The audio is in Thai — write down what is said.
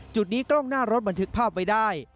จุดนี้กล้องหน้ารถบันทึกภาพไว้ได้